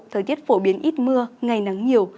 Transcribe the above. thời tiết phổ biến ít mưa ngày nắng nhiều